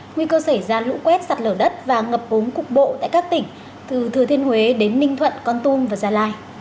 nguy cơ xảy ra lũ quét sạt lở đất và ngập ống cục bộ tại các tỉnh từ thừa thiên huế đến ninh thuận con tum và gia lai